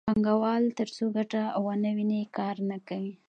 پانګوال ترڅو ګټه ونه ویني کار نه کوي